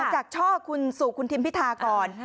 อ๋อจากช่อสู่คุณทิมพิธาก่อน